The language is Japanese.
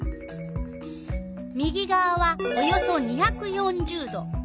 右がわはおよそ２４０℃。